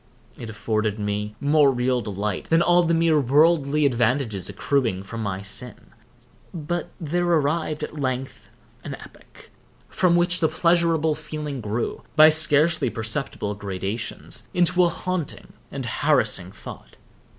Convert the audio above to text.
It afforded me more real delight than all the mere worldly advantages accruing from my sin. But there arrived at length an epoch, from which the pleasurable feeling grew, by scarcely perceptible gradations, into a haunting and harassing thought.